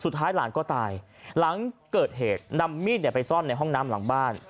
สุดท้ายหลานก็ตายหลังเกิดเหตุนำมีดไปซ่อนในห้องน้ำหลังบ้าน